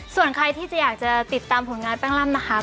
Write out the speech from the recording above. ส่วนใครที่จะอยากจะติดตามผลงานแป้งร่ำนะคะ